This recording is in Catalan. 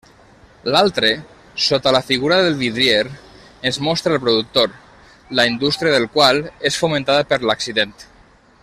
L'altre, sota la figura del vidrier, ens mostra el productor la indústria del qual és fomentada per l'accident.